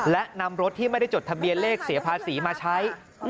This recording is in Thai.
และนำรถที่ไม่ได้จดทะเบียนเลขเสียภาษีมาใช้